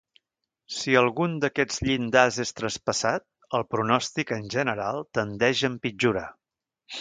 Si algun d'aquests llindars és traspassat, el pronòstic, en general, tendeix a empitjorar.